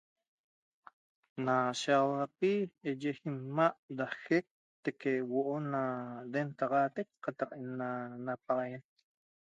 Na shiÿaxauapi yi'iyi ima' da jec teque' huo'o naneltaxaatac qataq na napaxaguen